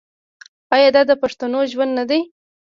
آیا دا د پښتنو ژوند نه دی؟